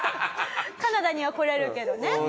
カナダには来れるけどね。